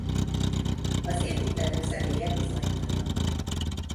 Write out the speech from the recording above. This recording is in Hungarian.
Az építtető személye bizonytalan.